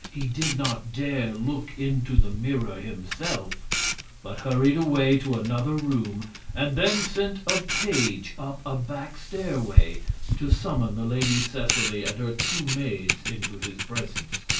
He did not dare look into the mirror himself, but hurried away to another room, and then sent a page up a back stairway to summon the Lady Seseley and her two maids into his presence.